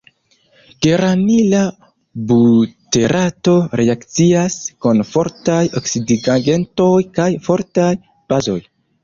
Geranila buterato reakcias kun fortaj oksidigagentoj kaj fortaj bazoj.